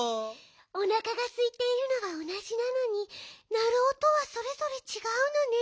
おなかがすいているのはおなじなのになるおとはそれぞれちがうのね。